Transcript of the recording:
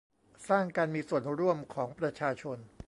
สร้างการมีส่วนร่วมของประชาชน